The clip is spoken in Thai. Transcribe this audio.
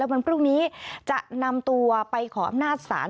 วันพรุ่งนี้จะนำตัวไปขออำนาจศาล